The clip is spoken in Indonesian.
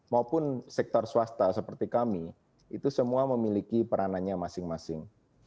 maupun sektor swasta seperti kami itu semua memiliki peranannya masing masing